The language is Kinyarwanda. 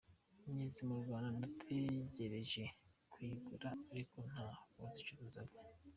Ngeze mu Rwanda natekereje kuyigura ariko nta wazicuruzaga.